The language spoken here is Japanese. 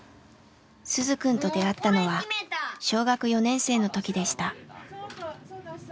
鈴くんと出会ったのは小学４年生の時でした。